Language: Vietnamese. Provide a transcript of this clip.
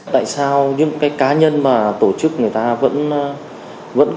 tại sao những cá nhân và tổ chức người ta vẫn